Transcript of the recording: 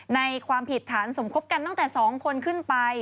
ความผิดฐานสมคบกันตั้งแต่๒คนขึ้นไป